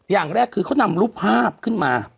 อย่างแรกคือเขานำรูปภาพขึ้นมา